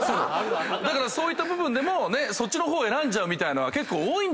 だからそういった部分でもそっちの方選んじゃうみたいのは結構多い。